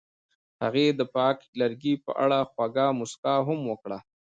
هغې د پاک لرګی په اړه خوږه موسکا هم وکړه.